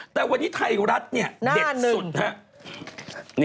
แต่วันนี้ไทยรัฐเนี่ยเด็ดสุดครับ